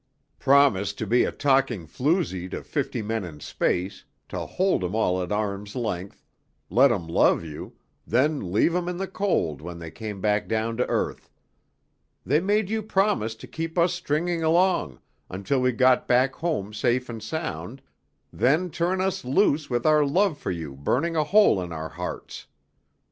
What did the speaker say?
"Promise to be a talking floozy to fifty men in space, to hold 'em all at arm's length, let 'em love you, then leave 'em in the cold when they came back down to earth. They made you promise to keep us stringing along, until we got back home safe and sound, then turn us loose with our love for you burning a hole in our hearts!